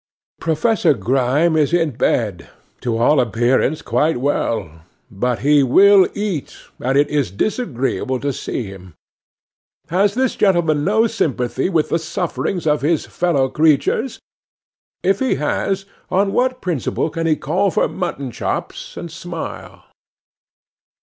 'Professor Grime is in bed, to all appearance quite well; but he will eat, and it is disagreeable to see him. Has this gentleman no sympathy with the sufferings of his fellow creatures? If he has, on what principle can he call for mutton chops—and smile?